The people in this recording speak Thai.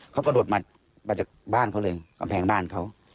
เขากระโดดมาจากบ้านเขาเลยกำแพงบ้านเขา